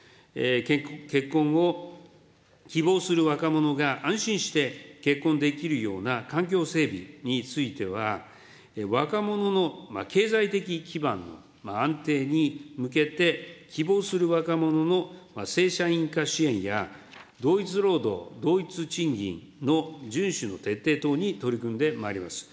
結婚を希望する若者が安心して結婚できるような環境整備については、若者の経済的基盤の安定に向けて、希望する若者の正社員化支援や、同一労働、同一賃金の順守の徹底等に取り組んでまいります。